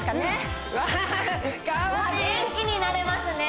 元気になれますね